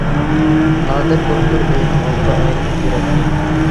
نادىر دوختۇر ئۆينىڭ ئالدىدا ئايلىنىپ يۈرەتتى.